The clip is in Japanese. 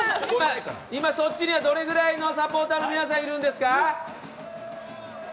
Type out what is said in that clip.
今、そっちにはどれくらいのサポーターがいるんですか。